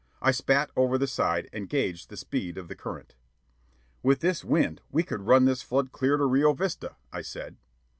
I spat over the side and gauged the speed of the current. "With this wind, we could run this flood clear to Rio Vista," I said.